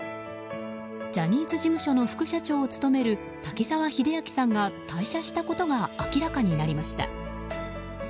ジャニーズ事務所の副社長を務める滝沢秀明さんが退社したことが明らかになりました。